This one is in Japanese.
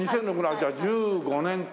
じゃあ１５年か。